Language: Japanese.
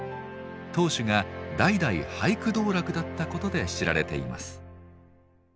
当主が代々俳句道楽だったことで知られています。